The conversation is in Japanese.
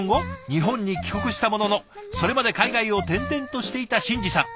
日本に帰国したもののそれまで海外を転々としていた新志さん。